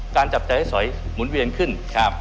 การจับใจให้สวยหมุนเวียนขึ้นครับ